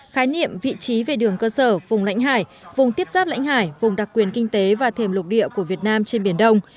khái niệm vị trí về đường cơ sở vùng lãnh hải vùng tiếp giáp lãnh hải vùng đặc quyền kinh tế và thềm lục địa của việt nam trên biển đông